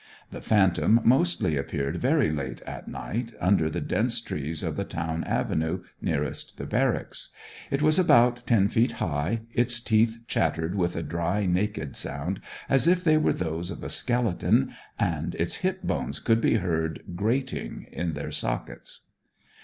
The phantom mostly appeared very late at night, under the dense trees of the town avenue nearest the barracks. It was about ten feet high; its teeth chattered with a dry naked sound, as if they were those of a skeleton; and its hip bones could be heard grating in their sockets.